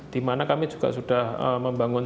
di mana kami juga sudah membangun